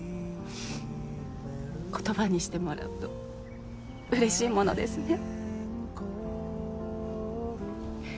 言葉にしてもらうと嬉しいものですね。